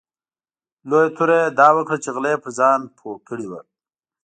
لویه توره یې دا وکړه چې غله یې پر ځان پوه کړي وو.